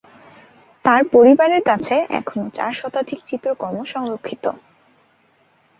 তার পরিবারের কাছে এখনও চার শতাধিক চিত্রকর্ম সংরক্ষিত।